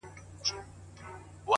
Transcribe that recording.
چي پخپله چا تغییر نه وي منلی.!.!